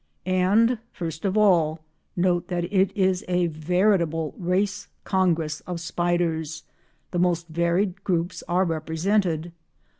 And first of all note that it is a veritable race congress of spiders; the most varied groups are represented.